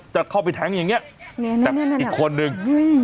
จะเข้าไปแท้งอย่างนี้แต่อีกคนนึง